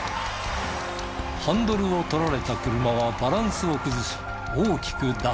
ハンドルを取られた車はバランスを崩し大きく蛇行。